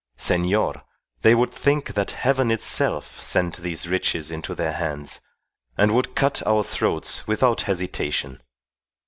Senor, they would think that heaven itself sent these riches into their hands, and would cut our throats without hesitation.